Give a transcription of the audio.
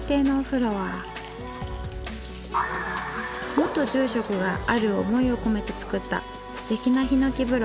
元住職がある思いを込めて作ったすてきなひのき風呂。